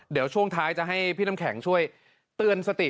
เดี๋ยวช่วงท้ายจะให้พี่น้ำแข็งช่วยเตือนสติ